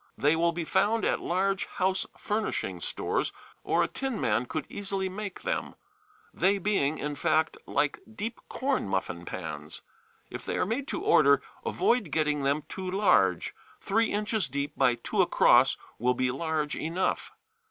They will be found at large house furnishing stores, or a tinman could easily make them, they being, in fact, like deep corn muffin pans. If they are made to order, avoid getting them too large three inches deep by two across will be large enough.